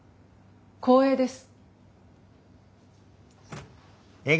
光栄です。